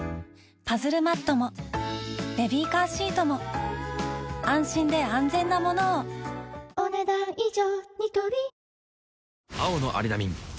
パズルマットもベビーカーシートも安心で安全なものをお、ねだん以上。